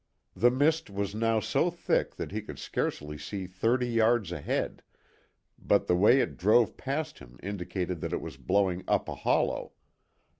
The mist was now so thick that he could scarcely see thirty yards ahead, but the way it drove past him indicated that it was blowing up a hollow.